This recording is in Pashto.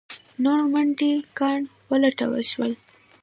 نور منډیي ګان ولټول شول.